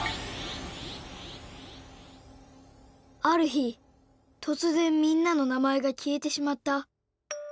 ある日とつぜんみんなの名前がきえてしまった。